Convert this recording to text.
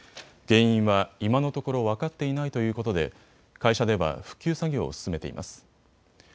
原因は今のところ分かっていないということで会社では復旧作業を進めています。